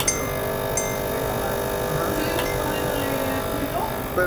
King, Ryan Adams, y Eric Burdon.